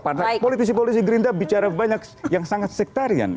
pada politisi politisi gerinda bicara banyak yang sangat sektarian